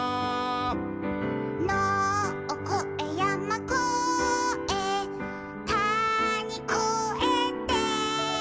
「のをこえやまこえたにこえて」